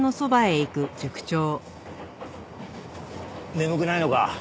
眠くないのか？